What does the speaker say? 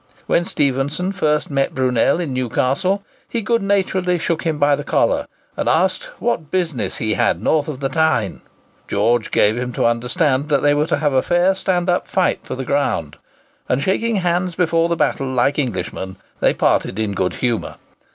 When Stephenson first met Brunel in Newcastle, he good naturedly shook him by the collar, and asked "What business he had north of the Tyne?" George gave him to understand that they were to have a fair stand up fight for the ground, and, shaking hands before the battle like Englishmen, they parted in good humour.